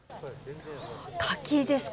柿ですか。